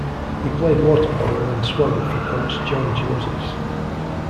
He played water polo and swam for Coach John Josephs.